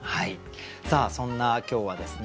さあそんな今日はですね